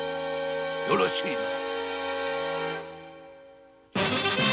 よろしいな！